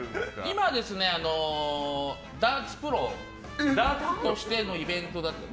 今はダーツプロとしてのイベントだったり。